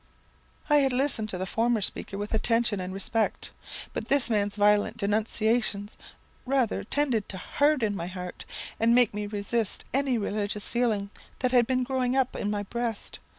"I had listened to the former speaker with attention and respect, but this man's violent denunciations rather tended to harden my heart, and make me resist any religious feeling that had been growing up in my breast.